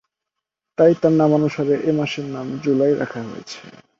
তাই তার নামানুসারে এ মাসের নাম জুলাই রাখা হয়েছে।